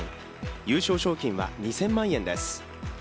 優勝賞金は２０００万円です。